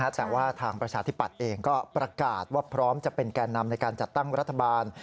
แต่ว่าทางประชาธิปัตย์เองก็ประกาศว่าพร้อมจะเป็นแก่นำในการจัดตั้งรัฐบาล